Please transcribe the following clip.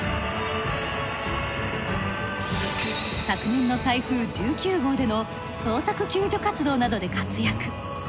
昨年の台風１９号での捜索救助活動などで活躍。